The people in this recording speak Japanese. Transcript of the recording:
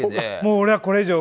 俺はこれ以上。